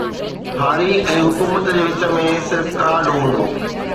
هاري ۽ حڪومت جي وچ ۾ صرف ڪارڊ هوندو